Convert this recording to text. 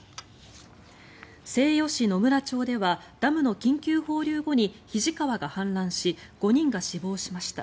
西予市野村町ではダムの緊急放流後に肱川が氾濫し５人が死亡しました。